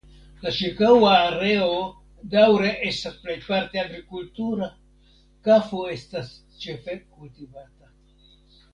La ĉirkaŭa areo daŭre estas plejparte agrikultura; kafo estas ĉefe kultivata.